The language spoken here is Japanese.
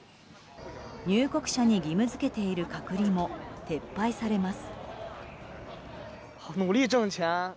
入国者に義務付けている隔離も撤廃されます。